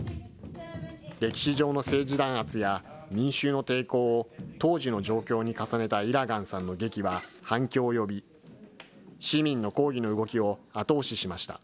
歴史上の政治弾圧や民衆の抵抗を、当時の状況に重ねたイラガンさんの劇は反響を呼び、市民の抗議の動きを後押ししました。